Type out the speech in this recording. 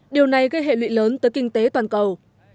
điều này gây hệ lụy lớn tới kinh tế toàn cầu